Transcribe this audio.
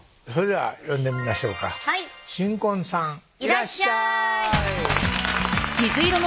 それでは呼んでみましょうか新婚さんいらっしゃいハーイ！